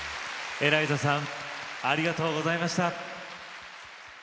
ＥＬＡＩＺＡさんありがとうございました。